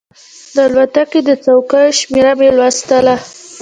د الوتکې د څوکیو شمېره مې لوستله.